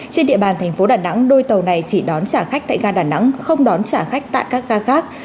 trên địa bàn thành phố đà nẵng đôi tàu này chỉ đón trả khách tại ga đà nẵng không đón trả khách tại các ga khác